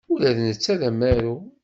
Ula d netta d amaru.